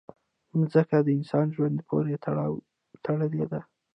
مځکه د انسان ژوند پورې تړلې ده.